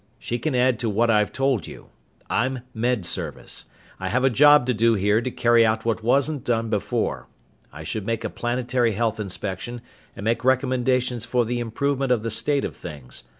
She can add to what I've told you. I'm Med Service. I have a job to do here to carry out what wasn't done before. I should make a planetary health inspection and make recommendations for the improvement of the state of things.